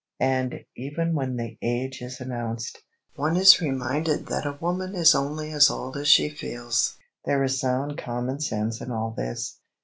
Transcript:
And, even when the age is announced, one is reminded that "a woman is only as old as she feels." There is sound common sense in all this.